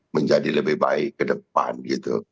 menjadi lebih baik ke depan gitu